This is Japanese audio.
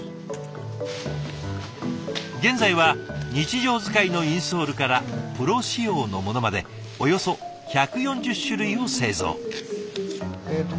現在は日常使いのインソールからプロ仕様のものまでおよそ１４０種類を製造。